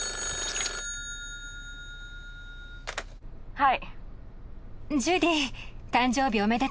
はい。